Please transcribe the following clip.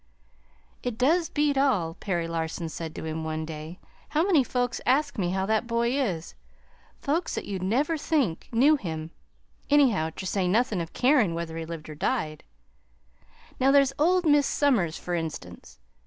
"It does beat all," Perry Larson said to him one day, "how many folks asks me how that boy is folks that you'd never think knew him, anyhow, ter say nothin' of carin' whether he lived or died. Now, there's old Mis' Somers, fur instance.